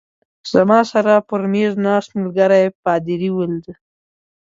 زما سره پر مېز ناست ملګري پادري ولید.